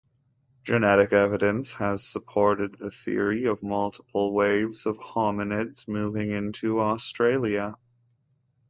Genetic evidence has supported the theory of multiple waves of hominids moving into Australia.